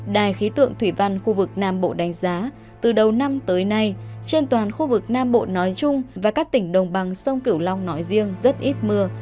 đài khí tượng thủy văn khu vực nam bộ đánh giá từ đầu năm tới nay trên toàn khu vực nam bộ nói chung và các tỉnh đồng bằng sông cửu long nói riêng rất ít mưa